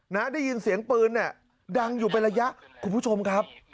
ได้ยินเสียงปืนเนี่ยดังอยู่เป็นระยะคุณผู้ชมครับ